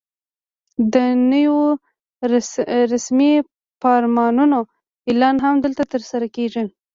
د نویو رسمي فرمانونو اعلان هم دلته ترسره کېږي.